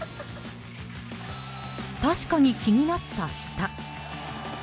確かに気になった、舌。